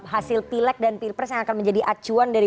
hasil pilek dan pilpres yang akan menjadi acuan dari